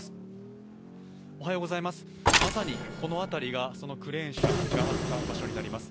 まさにこの辺りがクレーン車があった場所になります。